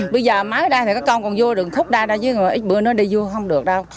bây giờ mái ra thì các con còn vô đường khúc ra chứ ít bữa nữa đi vô không được đâu